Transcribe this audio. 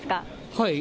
はい。